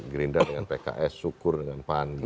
gerindra dengan pks syukur dengan pan